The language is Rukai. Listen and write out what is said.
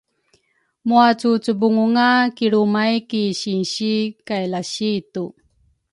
muacucubungunga kilrumay ki sinsi kay lasitu.